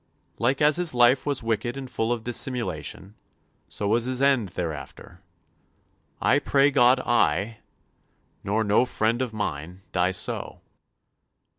Like as his life was wicked and full of dissimulation, so was his end thereafter. I pray God I, nor no friend of mine, die so.